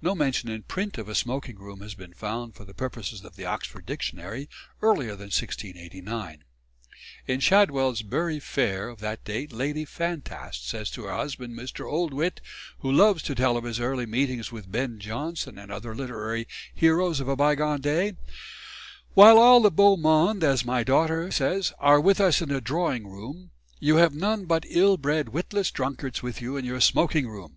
No mention in print of a smoking room has been found for the purposes of the Oxford Dictionary earlier than 1689. In Shadwell's "Bury Fair" of that date Lady Fantast says to her husband, Mr. Oldwit, who loves to tell of his early meetings with Ben Jonson and other literary heroes of a bygone day, "While all the Beau Monde, as my daughter says, are with us in the drawing room, you have none but ill bred, witless drunkards with you in your smoking room."